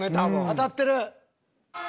当たってる。